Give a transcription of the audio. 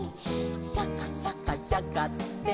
「シャカシャカシャカって」